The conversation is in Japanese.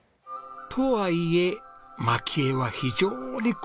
とはいえ蒔絵は非常に高度な技術。